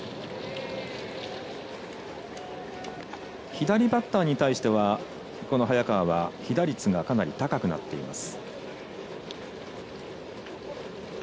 左バッターに対しては早川は被打率がかなり高くなっています。